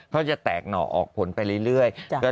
เขาจะแตกหน่อออกผลไปเรื่อย